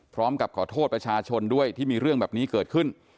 พร้อมกับขอโทษประชาชนด้วยที่มีเรื่องแบบนี้เกิดขึ้น